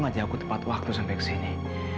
nanti aku tepat waktu sampai kesini